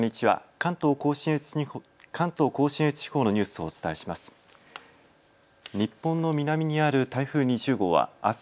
関東甲信越地方のニュースをお伝えします。